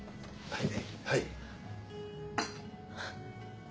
はい。